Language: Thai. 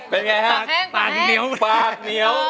เป็นไงฮะปากเหนียว